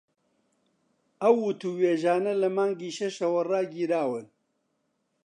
ئەو وتووێژانە لە مانگی شەشەوە ڕاگیراون